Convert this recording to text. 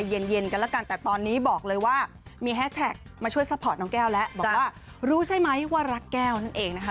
เย็นกันแล้วกันแต่ตอนนี้บอกเลยว่ามีแฮสแท็กมาช่วยซัพพอร์ตน้องแก้วแล้วบอกว่ารู้ใช่ไหมว่ารักแก้วนั่นเองนะคะ